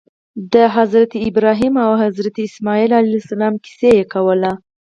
د حضرت ابراهیم او حضرت اسماعیل علیهم السلام قصې کولې.